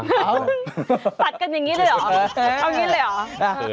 เอาตัดกันอย่างนี้เลยเหรอเอางี้เลยเหรอ